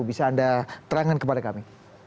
bisa anda terangkan kepada kami